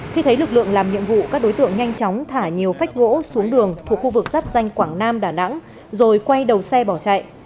khi thấy lực lượng làm nhiệm vụ các đối tượng nhanh chóng thả nhiều phách gỗ xuống đường thuộc khu vực giáp danh quảng nam đà nẵng rồi quay đầu xe bỏ chạy